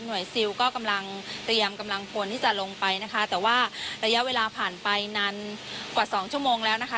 ซิลก็กำลังเตรียมกำลังพลที่จะลงไปนะคะแต่ว่าระยะเวลาผ่านไปนานกว่าสองชั่วโมงแล้วนะคะ